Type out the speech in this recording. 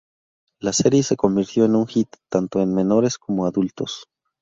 La serie se convirtió en un hit, tanto en menores como adultos.